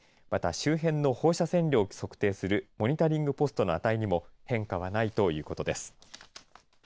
また、周辺の放射線量を測定するモニタリングポストの値には変化はないということです。